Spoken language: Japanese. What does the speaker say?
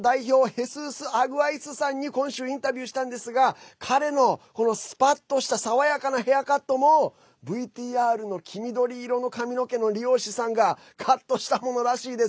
ヘスース・アグアイスさんに今週インタビューしたんですが彼のスパッとした髪形もＶＴＲの黄緑色の理容師さんがカットしたものらしいです。